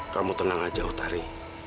kamu tenang aja utari